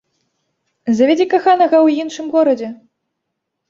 Завядзі каханага ў іншым горадзе!